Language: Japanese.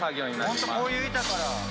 ホントこういう板から。